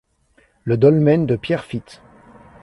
Le dolmen de Pierrefitte.